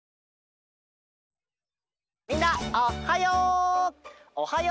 みんなおっはよ！